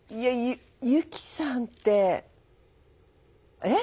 ユキさんってえっ？